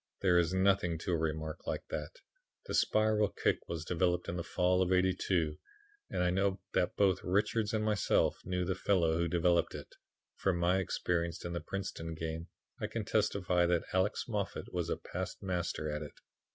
There is nothing to a remark like that. The spiral kick was developed in the fall of '82, and I know that both Richards and myself knew the fellow who developed it. From my experience in the Princeton game I can testify that Alex Moffat was a past master at it.